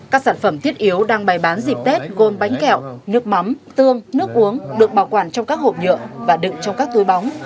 các sản phẩm thiết yếu đang bày bán dịp tết gồm bánh kẹo nước mắm tương nước uống được bảo quản trong các hộp nhựa và đựng trong các túi bóng